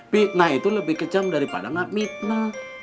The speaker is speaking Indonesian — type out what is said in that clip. pitna itu lebih kejam daripada gak pitna